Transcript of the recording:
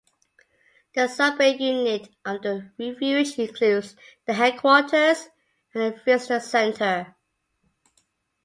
The Sudbury unit of the refuge includes the headquarters and a visitor center.